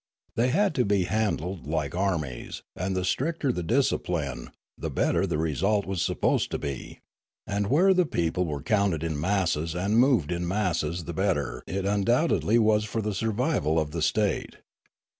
They had to be handled like armies, and the stricter the discipline, the better the result was supposed to be; and where the people were counted in masses and moved in masses the bet ter it undoubtedly was for the survival of the state.